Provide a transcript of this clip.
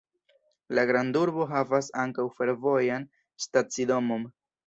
La grandurbo havas ankaŭ fervojan stacidomon.